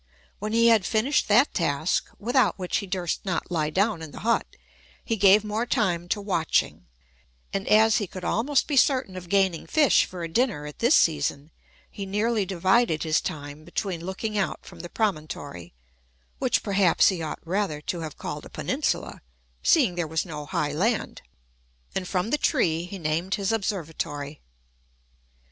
When he had finished that task, without which he durst not lie down in the hut, he gave more time to watching; and as he could almost be certain of gaining fish for a dinner at this season, he nearly divided his time between looking out from the promontory (which perhaps he ought rather to have called a peninsula, seeing there was no high land), and from the tree he named his observatory.